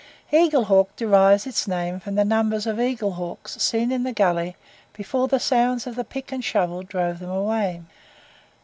Eagle Hawk derives its name from the number of eagle hawks seen in the gully before the sounds of the pick and shovel drove them away.